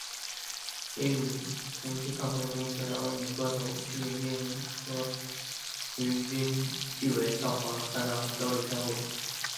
也与同期唱片公司两位女歌手许美静和李翊君誉为上华三大销售天后。